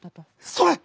それ！